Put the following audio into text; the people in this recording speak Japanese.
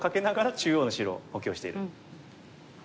中央の白を補強している。